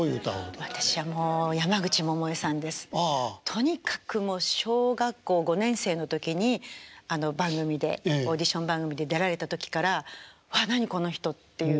とにかくもう小学校５年生の時に番組でオーディション番組で出られた時から「あっ何この人」っていう